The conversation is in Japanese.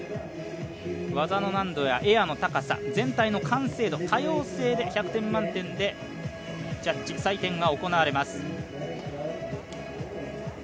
技の難度やエアの高さ全体の完成度、多様性で１００点満点でジャッジ採点が行われます。